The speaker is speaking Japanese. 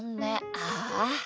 ああ。